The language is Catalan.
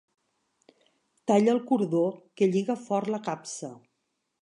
Talla el cordó que lliga fort la capsa.